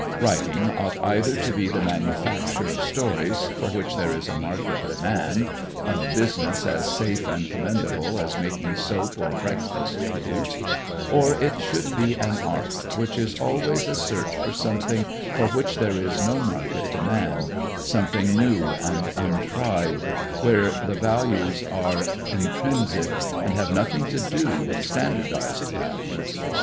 Writing ought either to be the manufacture of stories for which there is a market demand a business as safe and commendable as making soap or breakfast foods or it should be an art, which is always a search for something for which there is no market demand, something new and untried, where the values are intrinsic and have nothing to do with standardized values.